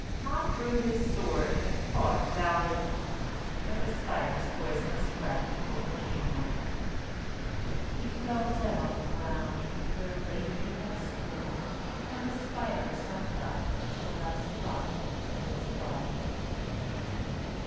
Tom drew his sword and fought valiantly, but the spider's poisonous breath overcame him: "He fell dead on the ground where late he had stood, And the spider sucked up the last drop of his blood."